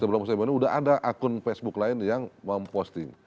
sebelum postingan buniani sudah ada akun facebook lain yang memposting